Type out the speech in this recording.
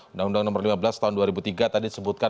undang undang nomor lima belas tahun dua ribu tiga tadi disebutkan